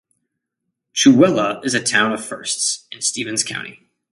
Chewelah is a town of firsts in Stevens County.